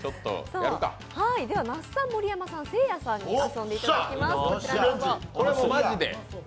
では、那須さん、盛山さん、せいやさんに遊んでいただきます。